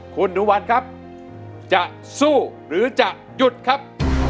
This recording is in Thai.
คุณดูวันครับจะสู้หรือจะหยุดครับ